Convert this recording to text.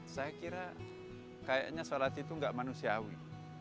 saya kira kayaknya salat itu gak manusiawi